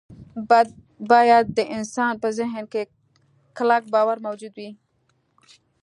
باید د انسان په ذهن کې کلک باور موجود وي